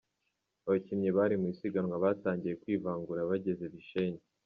Abakinnyi bari mu isiganwa batangiye kwivangura bageze Bishenyi.